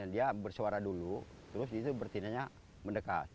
dia bersuara dulu terus itu bertindaknya mendekat